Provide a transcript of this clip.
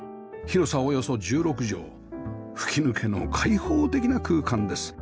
広さおよそ１６畳吹き抜けの開放的な空間です